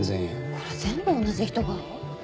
これ全部同じ人が？